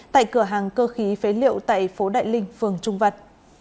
tại cửa hàng cơ khí phế liệu tại phố đại linh phường trung vật